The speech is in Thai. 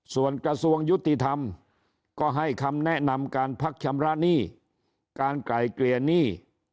ส่วนกระทรวงยุติธรรมก็ให้คำแนะนำการพักชำระหนี้การไกลเกลี่ยหนี้